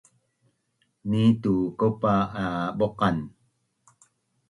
Nitu kaupa abuqan